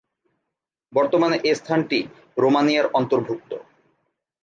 বর্তমানে এ স্থানটি রোমানিয়ার অন্তর্ভুক্ত।